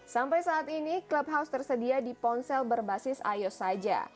sampai saat ini clubhouse tersedia di ponsel berbasis ios saja